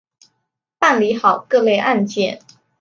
办理好各类案件